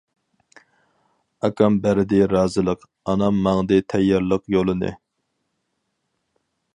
ئاكام بەردى رازىلىق، ئانام ماڭدى تەييارلىق يولىنى.